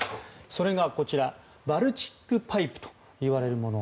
それがバルチック・パイプといわれるもの。